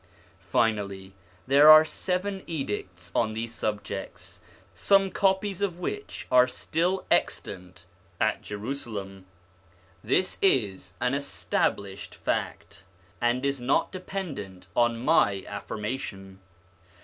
Finally, there are seven detailed edicts on these subjects, some copies of which are still extant at Jerusalem. This is an established fact, and is not dependent on my affirmation.